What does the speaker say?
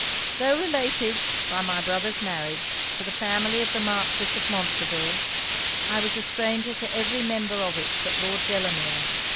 'Tho' related, by my brother's marriage, to the family of the Marquis of Montreville, I was a stranger to every member of it but Lord Delamere.